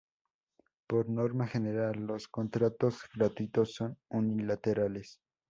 Por norma general, los contratos gratuitos son unilaterales.